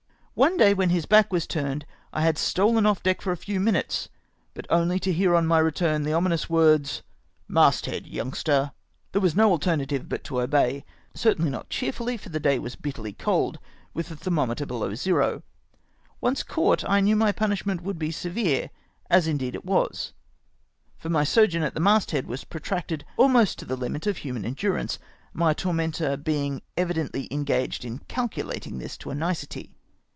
One day, when his back was turned, I had stolen off deck for a few minutes, but only to hear on my return the ominous words, "Mast head, youngster!" There was no alternative but to obey. Certamly not cheer fully — for the day was bitterly cold, with the ther mometer below zero. Once caught, I kncAv my punishment would be severe, as indeed it was, for my sojourn at the mast head was protracted almost to the limit of human endurance, my tormentor being evidently engaged in calculating this to a nicety.